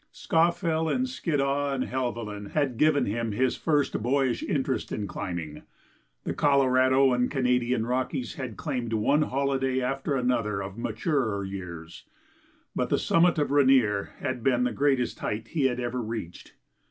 Scawfell and Skiddaw and Helvellyn had given him his first boyish interest in climbing; the Colorado and Canadian Rockies had claimed one holiday after another of maturer years, but the summit of Rainier had been the greatest height he had ever reached.